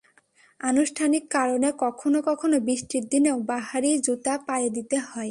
আনুষ্ঠানিক কারণে কখনো কখনো বৃষ্টির দিনেও বাহারি জুতা পায়ে দিতে হয়।